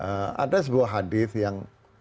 ada sebuah hadith yang